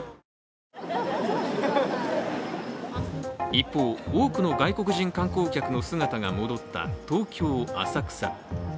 一方、多くの外国人観光客の姿が戻った東京・浅草。